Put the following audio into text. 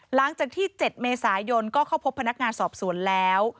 หลังจากที่๗เมษายนก็เข้าพบพนักงานสอบสวนแล้ว